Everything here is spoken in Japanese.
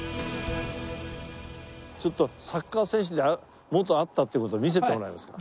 ちょっとサッカー選手で元あったって事を見せてもらえますか？